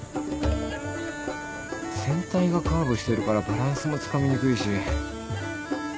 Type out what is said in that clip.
船体がカーブしてるからバランスもつかみにくいし。